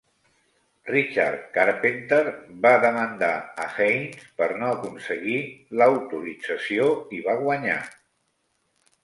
Richard Carpenter va demandar a Haynes per no aconseguir l'autorització i va guanyar.